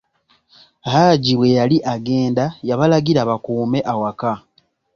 Haji bwe yali agenda, yabalagira bakume awaka.